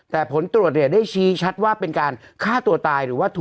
แต่ผลตรวจเนี่ยได้ชี้ชัดว่าเป็นการฆ่าตัวตายหรือว่าถูก